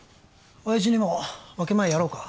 親爺にも分け前やろうか？